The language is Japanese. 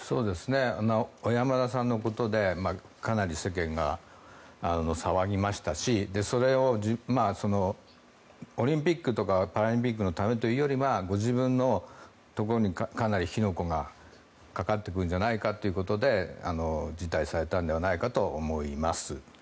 小山田さんのことでかなり世間が騒ぎましたしそれをオリンピックとかパラリンピックのためというよりご自分のところにかなり火の粉がかかってくるんじゃないかということで辞退されたんではないかと思います。